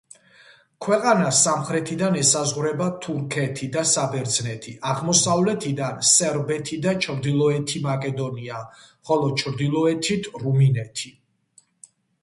ქვეყანას სამხრეთიდან ესაზღვრება თურქეთი და საბერძნეთი, აღმოსავლეთიდან სერბეთი და ჩრდილოეთი მაკედონია, ხოლო ჩრდილოეთით რუმინეთი.